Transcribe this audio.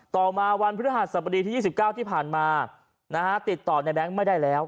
ต่อมาวันพฤหัสสบดีที่๒๙ที่ผ่านมาติดต่อในแบงค์ไม่ได้แล้ว